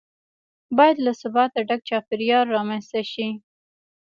باید له ثباته ډک چاپیریال رامنځته شي.